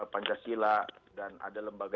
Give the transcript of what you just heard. pancasila dan ada lembaga